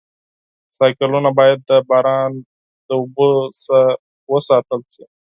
بایسکلونه باید د باران له اوبو وساتل شي.